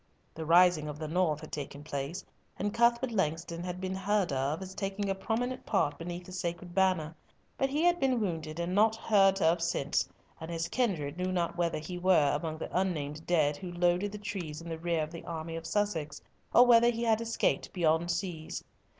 The Rising of the North had taken place, and Cuthbert Langston had been heard of as taking a prominent part beneath the sacred banner, but he had been wounded and not since heard of, and his kindred knew not whether he were among the unnamed dead who loaded the trees in the rear of the army of Sussex, or whether he had escaped beyond seas.